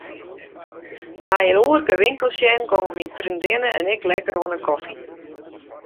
Nei in oerke winkels sjen gongen myn freondinne en ik lekker oan 'e kofje.